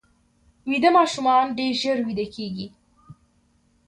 ویده ماشومان ډېر ژر ویده کېږي